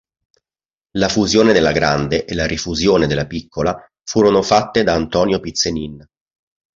La fusione della grande e la rifusione della piccola furono fatte da Antonio Pizzenin.